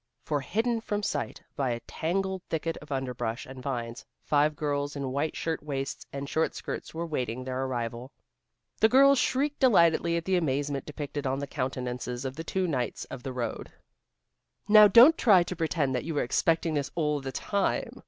For hidden from sight by a tangled thicket of underbrush and vines, five girls in white shirt waists and short skirts were waiting their arrival. The girls shrieked delightedly at the amazement depicted on the countenances of the two knights of the road. "Now, don't try to pretend that you were expecting this all the time.